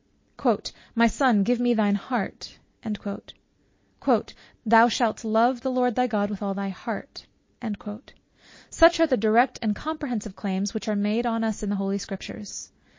"My son, give me thine heart" "Thou shalt love the Lord thy God with all thy heart:" Such are the direct and comprehensive claims which are made on us in the holy Scriptures.